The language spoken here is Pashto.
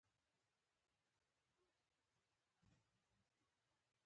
دا د عجایبو خزانه بهترینې منظرې لري.